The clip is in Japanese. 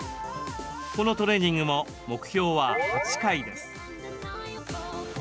このトレーニングも目標は８回です。